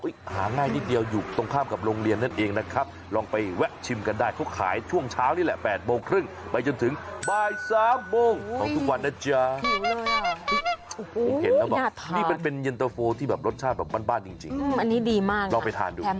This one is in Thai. อุ๊ยหาง่ายนิดเดียวอยู่ตรงข้ามกับโรงเรียนนั่นเองนะลองไปแวะชิมกันได้